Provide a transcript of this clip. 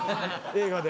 映画で。